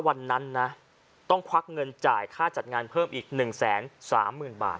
วันนั้นนะต้องควักเงินจ่ายค่าจัดงานเพิ่มอีกหนึ่งแสนสามหมื่นบาท